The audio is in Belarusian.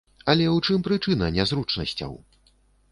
Але ў чым прычына нязручнасцяў?